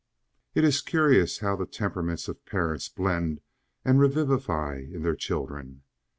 It is curious how the temperaments of parents blend and revivify in their children.